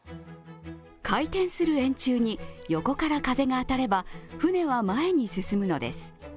回転する円柱に横から風が当たれば船は前に進むのです。